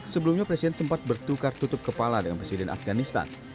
sebelumnya presiden sempat bertukar tutup kepala dengan presiden afganistan